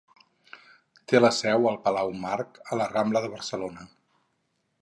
Té la seu al palau Marc, a la Rambla de Barcelona.